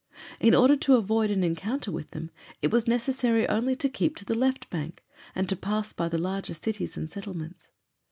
In order to avoid an encounter with them it was necessary only to keep to the left bank and to pass by the larger cities and settlements.